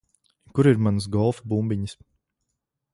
Kur ir manas golfa bumbiņas?